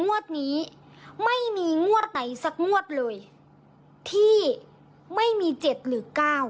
งวดนี้ไม่มีงวดไหนสักงวดเลยที่ไม่มี๗หรือ๙